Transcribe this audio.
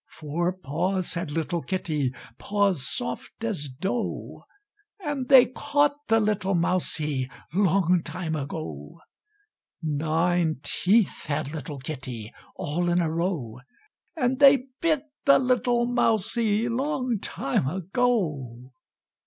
Four paws had little kitty, Paws soft as dough, And they caught the little mousie, Long time ago. Nine teeth had little kitty, All in a row; And they bit the little mousie, Long time ago.